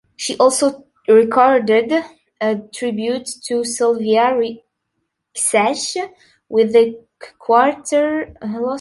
She also recorded a tribute to Sylvia Rexach with the quartet Los Hispanos.